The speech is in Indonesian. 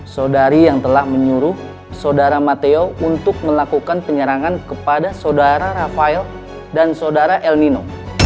sodari yang telah menyuruh sodara matteo untuk melakukan penyerangan kepada sodara rafael dan sodara el nino